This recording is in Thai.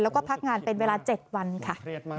แล้วก็พักงานเป็นเวลา๗วันค่ะ